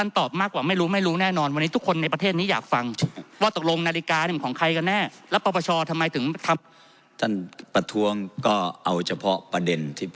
ท่านประธวงก็เอาเฉพาะประเด็น